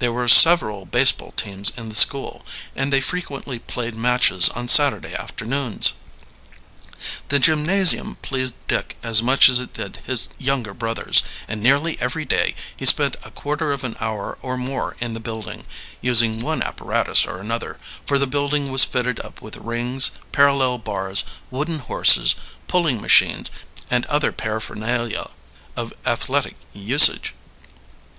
There were several baseball teams in the school, and they frequently played matches on Saturday afternoons. The gymnasium pleased Dick as much as it did his younger brothers, and nearly every day, he spent a quarter of an hour or more in the building, using one apparatus or another, for the building was fitted up with rings, parallel bars, wooden horses, pulling machines, and other paraphernalia of athletic usage.